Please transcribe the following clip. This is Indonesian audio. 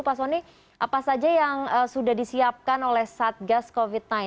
pak soni apa saja yang sudah disiapkan oleh satgas covid sembilan belas